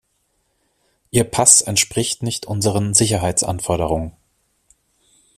Ihr Pass entspricht nicht unseren Sicherheitsanforderungen.